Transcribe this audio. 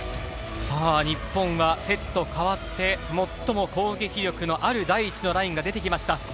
日本はセット変わって最も攻撃力が強いセットが出てきました。